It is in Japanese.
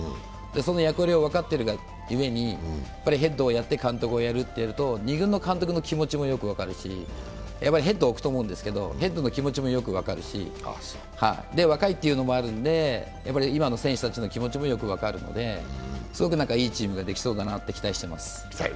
その役割を分かっているがゆえに、ヘッドをやって監督をやるとなると、２軍の監督の気持ちもよく分かるしヘッドを置くと思うんですけどヘッドの気持ちも分かるし、若いっていうのもあるので、今の選手たちの気持ちもよく分かるので、すごくいいチームができそうだなって期待しています。